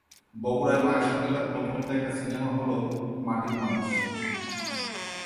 বগুড়ায় মায়ের সঙ্গে তার প্রথম দেখা সিনেমা হলো ‘মাটির মানুষ’।